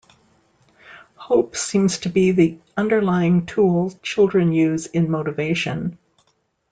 Hope seems to be the underlying tool children use in motivation.